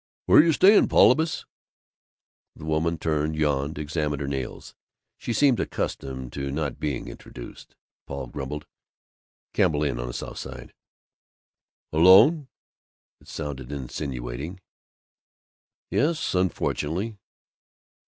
"Where you staying, Paulibus?" The woman turned, yawned, examined her nails. She seemed accustomed to not being introduced. Paul grumbled, "Campbell Inn, on the South Side." "Alone?" It sounded insinuating. "Yes! Unfortunately!"